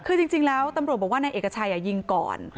คือจริงแล้วตำรวจบอกว่านายเอกชัยยิงก่อน